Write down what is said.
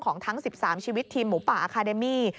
ทั้ง๑๓ชีวิตทีมหมูป่าอาคาเดมี่